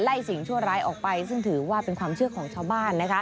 สิ่งชั่วร้ายออกไปซึ่งถือว่าเป็นความเชื่อของชาวบ้าน